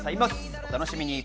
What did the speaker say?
お楽しみに。